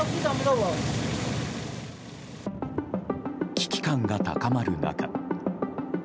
危機感が高まる中。